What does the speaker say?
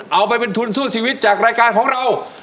เอาไปเป็นทุนสู้ชีวิตจากรายการของเรา